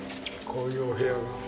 こういうお部屋。